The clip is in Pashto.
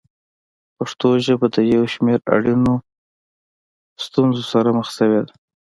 پښتو ژبه د یو شمېر اړینو ستونزو سره مخ شوې ده.